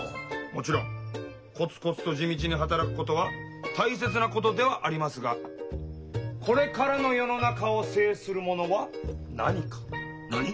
もちろんコツコツと地道に働くことは大切なことではありますがこれからの世の中を制するものは何か？